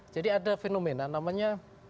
jadi ada fenomena namanya